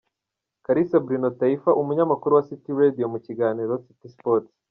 Kalisa Bruno Taifa umunyamakuru wa City Radio mu kiganiro City Sports.